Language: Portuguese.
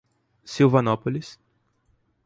Silvanópolis